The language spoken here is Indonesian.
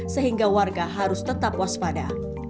sehingga warga harus tetap waspada